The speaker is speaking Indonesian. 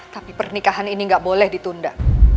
tapi pernikahan ini nggak boleh ditunda